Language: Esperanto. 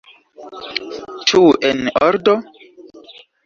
Ĉu en ordo?